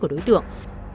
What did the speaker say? của đối tượng